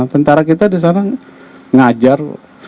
tentara kita di sana ngajar